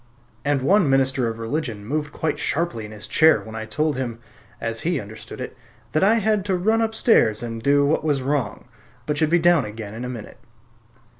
And one minister of religion moved quite sharply in his chair when I told him (as he understood it) that I had to run upstairs and do what was wrong, but should be down again in a minute.